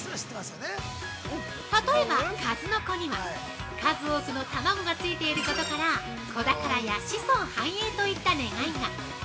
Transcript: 例えばかずのこには、数多くの卵がついていることから子宝や子孫繁栄といった願いが。